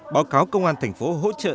báo cáo công an thành phố hỗ trợ